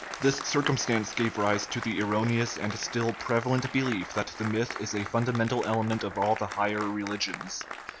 This cir cumstance gave rise to the erroneous and still preva lent belief that the myth is a fundamental element of all the higher religions.